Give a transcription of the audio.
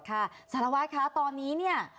ค่ะสารวัสค่ะตอนนี้เนี่ย